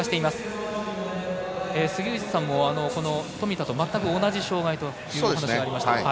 杉内さんも富田と全く同じ障がいという話をされていました。